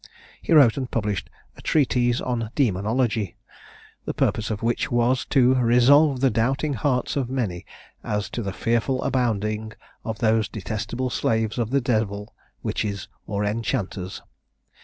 He wrote and published a "Treatise on Dæmonologie;" the purpose of which was, to "resolve the doubting hearts of many, as to the fearful abounding of those detestable slaves of the Devil, witches, or enchanters."